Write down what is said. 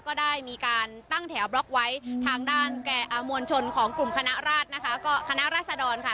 ก็ได้มีการตั้งแถวบล็อกไว้ทางด้านแก่อามวลชนของกลุ่มคณะราชดอนค่ะ